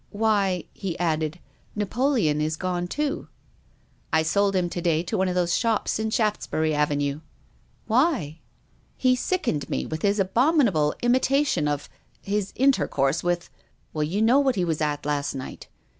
" Why," he added. " Napoleon is gone too." " I sold him to day to one of those shops in Shaftesbury Avenue." " Why ?"" He sickened me with his abominable imitation of — his intercourse with — well, you know what he was at last night.